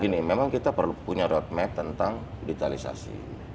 gini memang kita perlu punya roadmap tentang digitalisasi